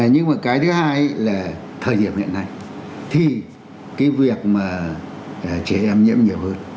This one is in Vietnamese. nhưng mà cái thứ hai là thời điểm hiện nay thì cái việc mà trẻ em nhiễm nhiều hơn